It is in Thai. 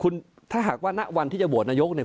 ว่าหากว่านักวันที่สนับสนับสนับ